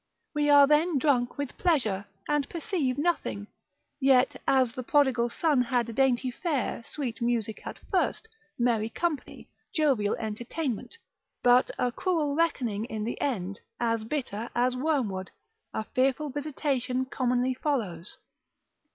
we are then drunk with pleasure, and perceive nothing: yet as the prodigal son had dainty fare, sweet music at first, merry company, jovial entertainment, but a cruel reckoning in the end, as bitter as wormwood, a fearful visitation commonly follows.